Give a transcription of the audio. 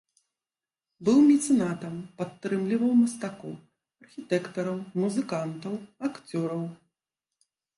Быў мецэнатам, падтрымліваў мастакоў, архітэктараў, музыкантаў, акцёраў.